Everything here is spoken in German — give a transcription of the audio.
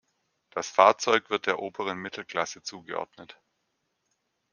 Das Fahrzeug wird der oberen Mittelklasse zugeordnet.